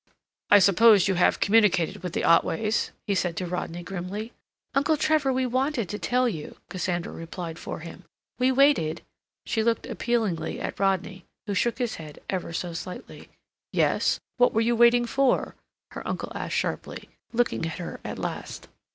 "I suppose you have communicated with the Otways," he said to Rodney grimly. "Uncle Trevor, we wanted to tell you," Cassandra replied for him. "We waited—" she looked appealingly at Rodney, who shook his head ever so slightly. "Yes? What were you waiting for?" her uncle asked sharply, looking at her at last.